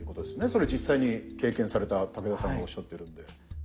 それ実際に経験された武田さんがおっしゃってるんで。